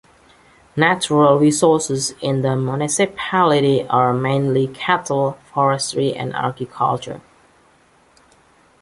Natural resources in the municipality are mainly cattle, forestry and agriculture.